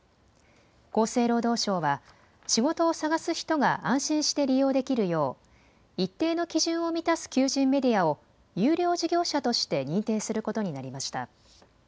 厚生労働省は仕事を探す人が安心して利用できるよう、一定の基準を満たす求人メディアを優良事業者として認定することになりました。